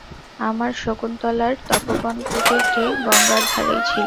আমার শকুন্তলার তপোবনকুটিরটি গঙ্গার ধারেই ছিল।